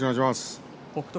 北勝